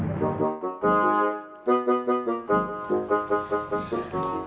tante kantor om dulu yoh